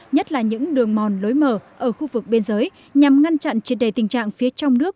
nhất là những đường mòn lối mở ở khu vực biên giới nhằm ngăn chặn trên đề tình trạng phía trong nước